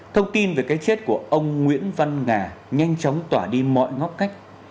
thông tin về cái chết của ông nguyễn văn ngà nhanh chóng tỏa đi mọi ngóc cách